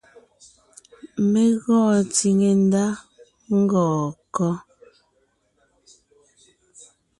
Mé gɔɔn tsìŋe ndá ngɔɔn kɔ́?